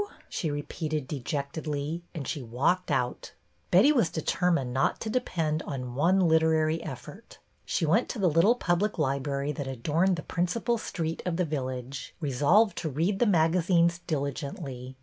" she repeated dejectedly, and she walked out. Betty was determined not to depend on one literary effort. She went to the little public library that adorned the principal street of the village, resolved to read the magazines diligently.